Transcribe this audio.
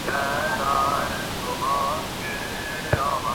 পত্রিকায় দেখি, মার খেয়ে মাটিতে লুটিয়ে পড়েছেন মামুন এবং আরও কয়েকজন শিক্ষক।